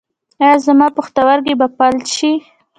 ایا زما پښتورګي به فلج شي؟